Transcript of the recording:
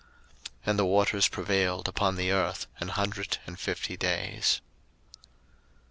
01:007:024 And the waters prevailed upon the earth an hundred and fifty days.